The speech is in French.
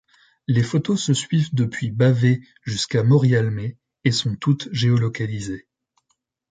Les photos se suivent depuis Bavay jusqu’à Morialmé et sont toutes géo-localisées.